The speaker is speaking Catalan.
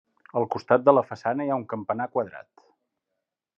Al costat de la façana hi ha un campanar quadrat.